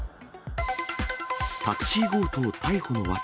タクシー強盗逮捕の訳。